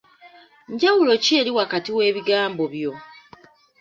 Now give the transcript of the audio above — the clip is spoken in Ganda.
Njawulo ki eri wakati w'ebigambo byo?